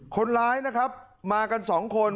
คนร้ายนะครับมากันสองคน